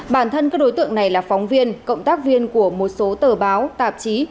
bản thân các đối tượng này là phóng viên cộng tác viên của một số tờ báo tạp chí